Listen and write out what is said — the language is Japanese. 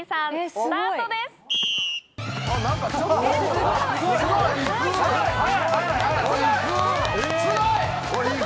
すごい！